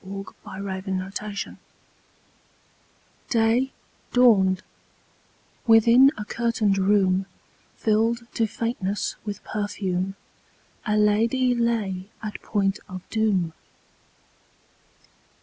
Y Z History of a Life DAY dawned: within a curtained room, Filled to faintness with perfume, A lady lay at point of doom.